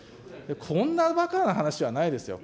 こんなばかな話はないですよ。